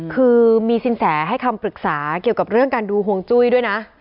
คือมีสินแสให้คำปรึกษาเกี่ยวกับเรื่องการดูห่วงจุ้ยด้วยนะ